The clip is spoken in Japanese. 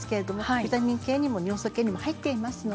ビタミン系にも保湿系にも入っています。